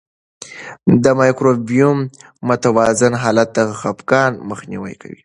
د مایکروبیوم متوازن حالت د خپګان مخنیوی کوي.